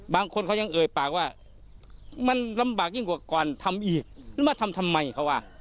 บางคนเขายังเอ่ยปากว่ามันลำบากยิ่งกว่าก่อนทำอีกหรือมาทำทำไมเขาว่า